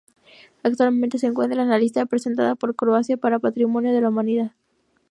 Actualmente se encuentra en la lista presentada por Croacia para Patrimonio de la Humanidad.